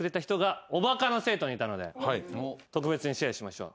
特別にシェアしましょう。